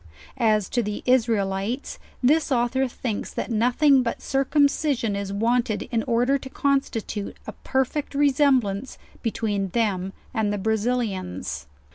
As to the Israelites, this author thinks that nothing but circumcision is wanted in order to consti tute a perfect resemblance between them and the Brazilians.